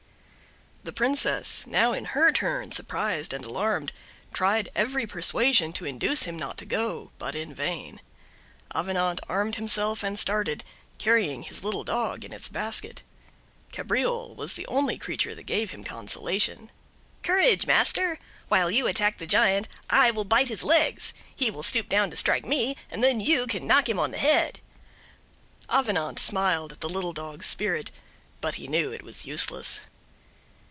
The Princess, now in her turn surprised and alarmed, tried every persuasion to induce him not to go, but in vain. Avenant armed himself and started, carrying his little dog in its basket. Cabriole was the only creature that gave him consolation: "Courage, master! While you attack the giant, I will bite his legs: he will stoop down to strike me, and then you can knock him on the head." Avenant smiled at the little dog's spirit, but he knew it was useless.